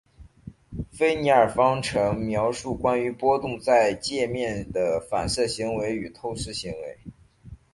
菲涅耳方程描述关于波动在界面的反射行为与透射行为。